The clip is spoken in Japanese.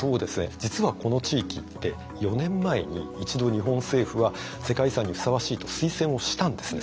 実はこの地域って４年前に１度日本政府は「世界遺産にふさわしい」と推薦をしたんですね既に。